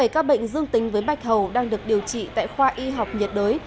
bảy ca bệnh dương tính với bạch hầu đang được điều trị tại khoa y học nhiệt đới